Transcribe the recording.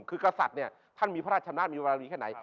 คือกษัตริย์เนี่ยท่านมีพระราชชำนาจมีบารมีแค่ไหน